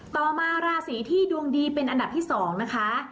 ต่อมาราศีที่ดวงดีเป็นอันดับที่๒นะคะ